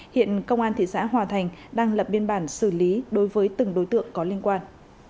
hiện công an thị xã hòa thành đang lập biên bản xử lý đối với từng đối tượng có liên quan